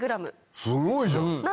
すごいじゃん。